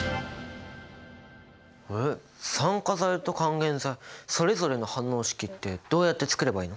えっ酸化剤と還元剤それぞれの反応式ってどうやって作ればいいの？